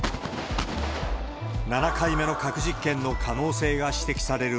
７回目の核実験の可能性が指摘される